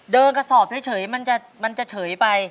กระสอบเฉยมันจะเฉยไป